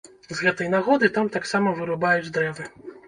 З гэтай нагоды там таксама вырубаюць дрэвы.